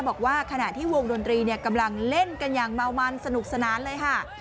บอกว่าขณะที่วงดนตรีกำลังเล่นกันอย่างเมามันสนุกสนานเลยค่ะ